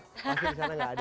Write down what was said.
masih di sana nggak ada